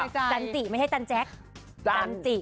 จันจิไม่ใช่จันแจ๊กจันจิ